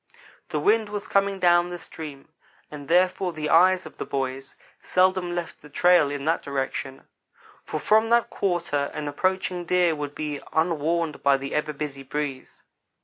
The wind was coming down the stream, and therefore the eyes of the boys seldom left the trail in that direction; for from that quarter an approaching deer would be unwarned by the ever busy breeze.